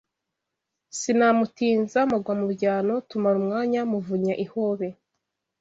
Sinamutinza mugwa mu byano Tumara umwanya muvunya ihobe